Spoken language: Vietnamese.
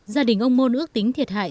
gia đình ông môn ước tính thiệt hại